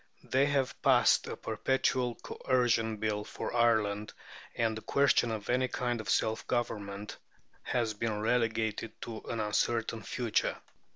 They have passed a perpetual Coercion Bill for Ireland, and the question of any kind of self government has been relegated to an uncertain future.